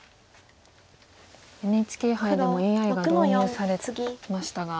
ＮＨＫ杯でもＡＩが導入されましたが。